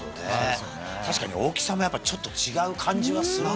確かに大きさもちょっと違う感じがするね。